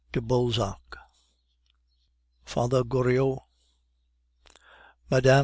DE BALZAC. FATHER GORIOT Mme.